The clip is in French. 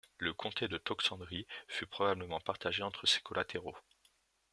Le comté de Toxandrie fut probablement partagé entre ses collatéraux.